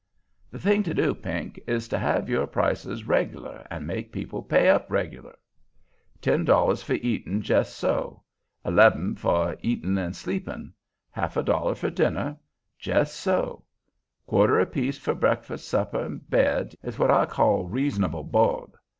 "The thing to do, Pink, is to have your prices reg'lar, and make people pay up reg'lar. Ten dollars for eatin', jes' so; eleb'n for eatin' an' sleepin'; half a dollar for dinner, jes' so; quarter apiece for breakfast, supper, and bed, is what I call reason'ble bo'd.